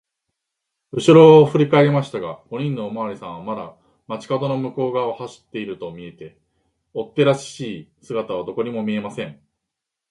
うしろをふりかえりましたが、五人のおまわりさんはまだ町かどの向こうがわを走っているとみえて、追っ手らしい姿はどこにも見えません。